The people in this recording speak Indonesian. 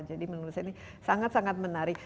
jadi menurut saya ini sangat sangat menarik